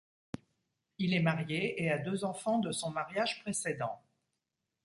Il est marié et a deux enfants de son mariage précédent.